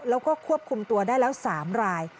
แล้วก็ควบคุมตัวได้แล้ว๓ราย